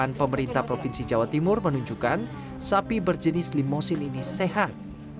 dan pemerintah provinsi jawa timur menunjukkan sapi berjenis limosin ini sehat